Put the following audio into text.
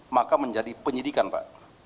maka menjadi penyidikan pak